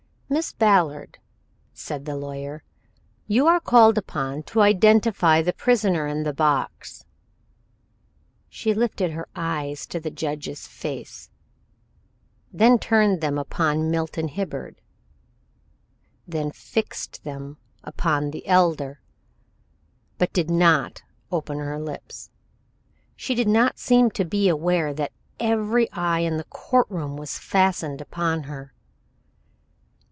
"Miss Ballard," said the lawyer, "you are called upon to identify the prisoner in the box." She lifted her eyes to the judge's face, then turned them upon Milton Hibbard, then fixed them again upon the Elder, but did not open her lips. She did not seem to be aware that every eye in the court room was fastened upon her.